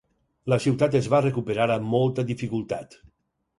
La ciutat es va recuperar amb molta dificultat.